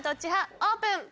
オープン！